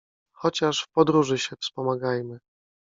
Chociaż w podróży się wspomagajmy.